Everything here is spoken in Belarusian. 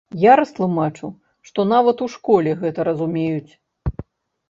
Я растлумачыў, што нават у школе гэта разумеюць.